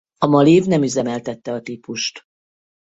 A Malév nem üzemeltette a típust.